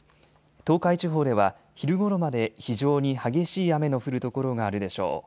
東海地方では昼ごろまで非常に激しい雨の降る所があるでしょう。